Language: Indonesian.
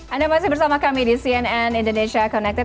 anda masih bersama kami di cnn indonesia connected